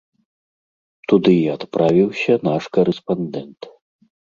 Туды і адправіўся наш карэспандэнт.